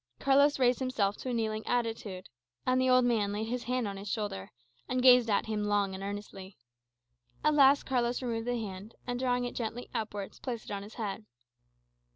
Carlos raised himself to a kneeling attitude, and the old man laid his hand on his shoulder, and gazed at him long and earnestly. At length Carlos removed the hand, and drawing it gently upwards, placed it on his head.